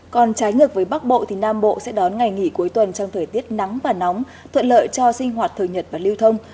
còn trái ngược với bắc bộ thì nam bộ sẽ đón ngày nghỉ cuối tuần trong thời tiết nắng và nóng thuận lợi cho sinh hoạt thời nhật và lưu thông